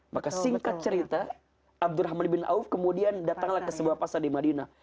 maka singkat cerita abdurrahman bin auf kemudian datanglah ke sebuah pasar di madinah